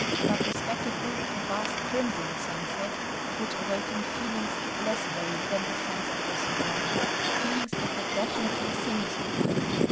But the spectacle of a vast crimson sunset would awaken feelings less vague than the sense of the sublime, feelings of a definitely sinister kind.